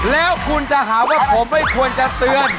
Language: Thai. แล้วคุณจะหาว่าผมไม่ควรจะเตือน